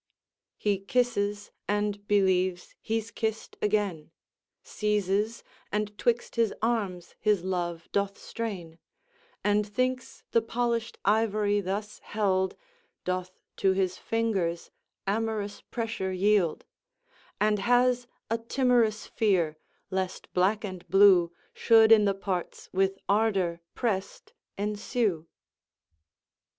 "He kisses, and believes he's kissed again; Seizes, and 'twixt his arms his love doth strain, And thinks the polish'd ivory thus held Doth to his fingers amorous pressure yield, And has a timorous fear, lest black and blue Should in the parts with ardour press'd ensue."